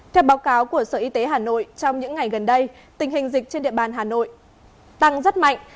theo báo cáo của sở y tế hà nội trong những ngày gần đây tình hình dịch trên địa bàn hà nội tăng rất mạnh